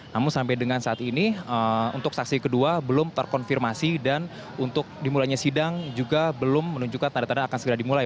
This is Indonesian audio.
namun sampai dengan saat ini untuk saksi kedua belum terkonfirmasi dan untuk dimulainya sidang juga belum menunjukkan tanda tanda akan segera dimulai